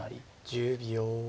１０秒。